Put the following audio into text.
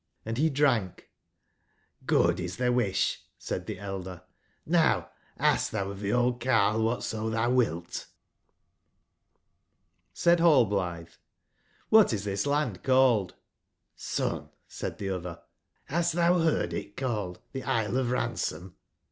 and be drank ^'' Good is tbc wisb/' said tbe elder; '* now ask tbou of tbc old carle wbatso tbou wilt/* HID nallblitbe: ''CObatis tbis land called?'' '' Son/' said tbc otber, bast tbou beard it call ed tbe Isle of Ransom